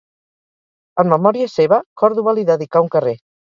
En memòria seva, Còrdova li dedicà un carrer.